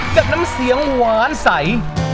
จากน้ำเสียงหวานใส